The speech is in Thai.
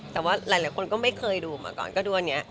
แต่ว่าหลายคนก็ไม่เคยดูมาก่อนก็ดูอันนี้